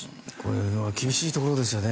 厳しいところですよね。